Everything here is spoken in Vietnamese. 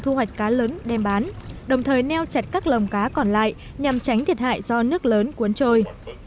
thu hoạch cá lớn đem bán đồng thời neo chặt các lồng cá còn lại nhằm tránh thiệt hại do nước lớn cuốn trôi